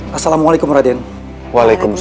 tahanlah arden selalu adalah wanita di pemb tires